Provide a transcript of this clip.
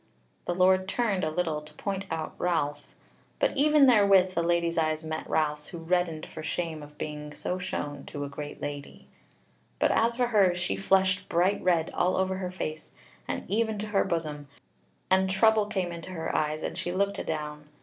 The Lord turned a little to point out Ralph, but even therewith the Lady's eyes met Ralph's, who reddened for shame of being so shown to a great lady; but as for her she flushed bright red all over her face and even to her bosom, and trouble came into her eyes, and she looked adown.